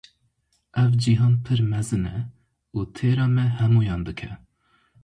Ev cîhan pir mezin e û têra me hemûyan dike.